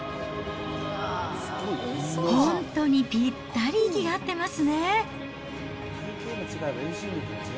本当にぴったり息が合ってますね。